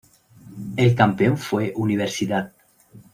El campeón fue Universidad.